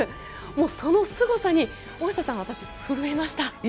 もうそのすごさに大下さん、私、震えました。